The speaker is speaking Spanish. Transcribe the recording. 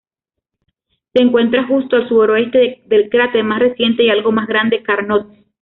Se encuentra justo al suroeste del cráter más reciente y algo más grande Carnot.